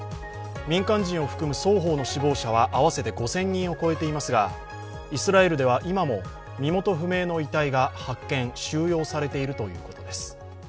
民間人を含む双方の死亡者は合わせて５０００人を超えていますがイスラエルでは今も身元不明の遺体が発見、収容されているということです。